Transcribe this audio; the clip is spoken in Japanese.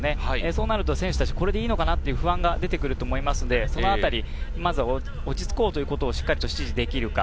そうなると選手たち、これでいいのかなっていう不安が出てくると思いますので、そのあたり落ち着こうということを指示できるか。